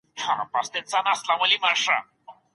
ژوند یوازې د خوړلو او څښلو لپاره نه دی.